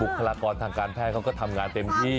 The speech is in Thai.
คลากรทางการแพทย์เขาก็ทำงานเต็มที่